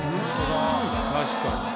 確かに。